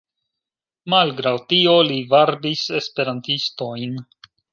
Malgraŭ tio li varbis Esperantistojn.